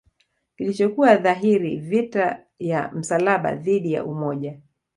kilichokuwa dhahiri vita ya msalaba dhidi ya umoja